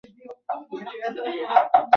参加了湘鄂赣边区的游击战。